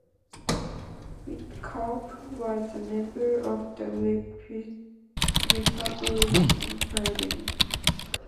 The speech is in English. Whitcomb was a member of the Republican Party.